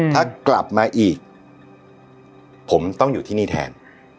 ถ้ากลับมาอีกผมต้องอยู่ที่นี่แทน